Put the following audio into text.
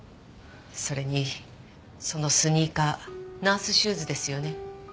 それにそのスニーカーナースシューズですよね？